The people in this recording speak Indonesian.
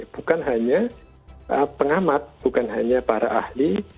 bukan hanya pengamat bukan hanya para ahli